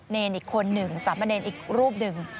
เนรอีกคนหนึ่งสามเณรอีกรูปหนึ่ง